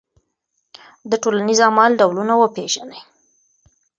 د ټولنیز عمل ډولونه وپېژنئ.